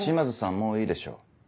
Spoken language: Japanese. もういいでしょう。